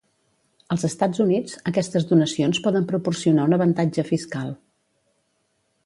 Als Estats Units, aquestes donacions poden proporcionar un avantatge fiscal.